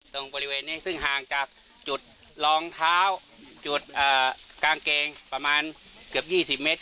ตรงบริเวณนี้ซึ่งห่างจากจุดรองเท้าจุดกางเกงประมาณเกือบ๒๐เมตร